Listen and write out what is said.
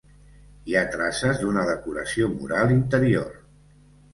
Hi ha traces d'una decoració mural interior.